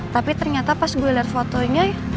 tapi ternyata pas gue liat fotonya